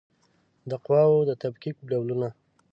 د قواوو د تفکیک ډولونه